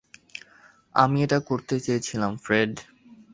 আমি এটা করতে চেয়েছিলাম, ফ্রেড।